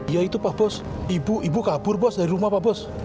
ya itu pak bos ibu kabur bos dari rumah pak bos